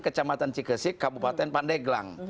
kecamatan cikesik kabupaten pandeglang